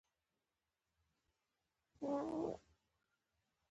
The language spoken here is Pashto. دا ورته پاملرنه کېږي.